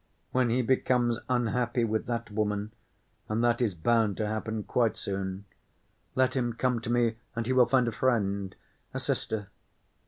When he becomes unhappy with that woman, and that is bound to happen quite soon, let him come to me and he will find a friend, a sister....